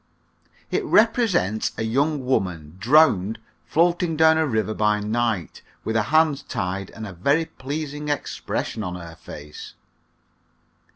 It represented a young woman, drowned, floating down a river by night, with her hands tied, and a very pleasing expression on her face.